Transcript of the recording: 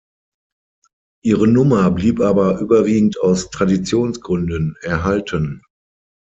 Ihre Nummer blieb aber überwiegend aus Traditionsgründen erhalten.